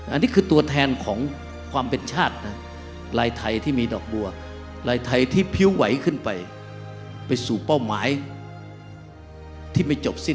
อันนี้คือตัวแทนของความเป็นชาตินะลายไทยที่มีดอกบัวลายไทยที่พิ้วไหวขึ้นไปไปสู่เป้าหมายที่ไม่จบสิ้น